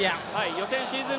予選シーズン